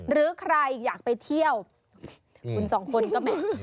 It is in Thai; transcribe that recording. หรือใครอยากไปเที่ยวคุณสองคนก็แหม่